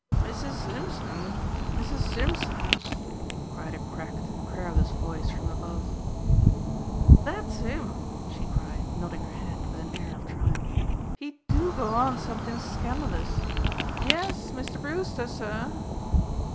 "Missus Simpson, Missus Simpson!" cried a cracked and querulous voice from above. "That's him!" she cried, nodding her head with an air of triumph. "He do go on somethin' scandalous. Yes, Mr. Brewster, sir."